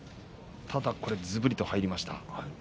ずぶりと入りました。